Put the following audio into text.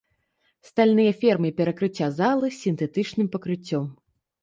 Стальныя фермы перакрыцця залы з сінтэтычным пакрыццём.